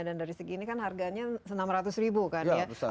dan dari segi ini kan harganya rp enam ratus kan ya